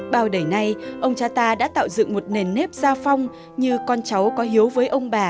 bao đời nay ông cha ta đã tạo dựng một nền nếp gia phong như con cháu có hiếu với ông bà